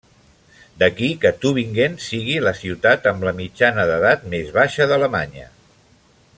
D'aquí que Tübingen sigui la ciutat amb la mitjana d'edat més baixa d'Alemanya.